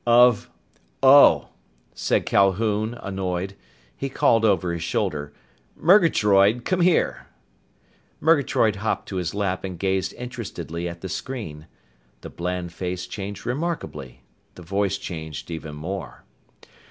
"Of oh!" said Calhoun, annoyed. He called over his shoulder. "Murgatroyd! Come here!" Murgatroyd hopped to his lap and gazed interestedly at the screen. The bland face changed remarkably. The voice changed even more.